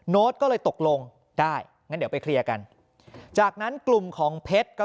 ก็เลยตกลงได้งั้นเดี๋ยวไปเคลียร์กันจากนั้นกลุ่มของเพชรก็